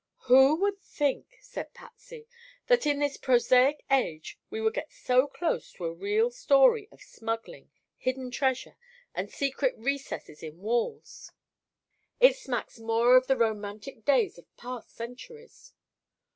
"Who would think," said Patsy, "that in this prosaic age we would get so close to a real story of smuggling, hidden treasure and secret recesses in walls? It smacks more of the romantic days of past centuries."